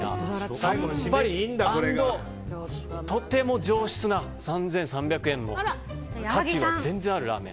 さっぱり＆とても上質な３３００円の価値があるラーメン。